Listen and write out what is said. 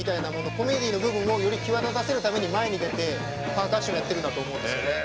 コメディーの部分をより際立たせるために前に出てパーカッションやってるんだと思うんです。